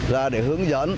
ra để hướng dẫn